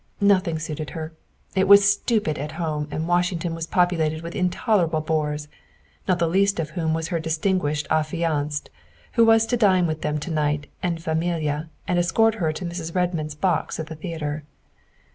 Nothing suited her. It was stupid at home and Washington was populated with intolerable bores, not the least of whom was her distinguished affianced, who was to dine with them to night en famille and escort her to Mrs. Redmond's box at the theatre.